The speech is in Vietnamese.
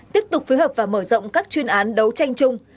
tiếp tục phối hợp và mở rộng các chuyên án đấu tranh chung